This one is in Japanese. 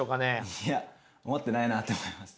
いや思ってないなって思います。